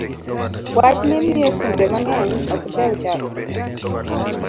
Wachni miyo skunde mang'eny ok dew chako